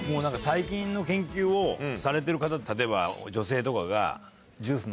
細菌の研究をされてる方って例えば女性とかが。